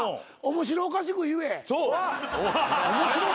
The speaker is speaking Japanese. ・面白おかしく言え？